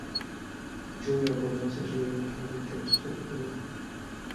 Al inicio de la jornada se sucedieron los intentos de fuga.